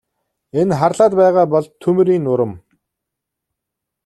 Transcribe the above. Энэ харлаад байгаа бол түймрийн нурам.